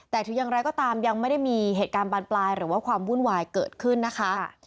แต่ถึงอย่างไรก็ตามยังไม่ได้มีเหตุการณ์บานปลายหรือว่าความวุ่นวายเกิดขึ้นนะคะ